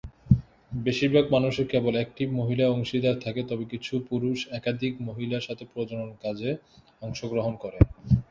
বেশিরভাগ পুরুষের কেবল একটি মহিলা অংশীদার থাকে তবে কিছু পুরুষ একাধিক মহিলার সাথে প্রজনন কাজে অংশগ্রহণ করে।